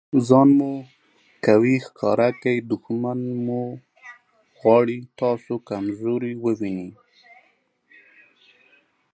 ځان قوي ښکاره که! دوښمن مو غواړي تاسي کمزوري وویني.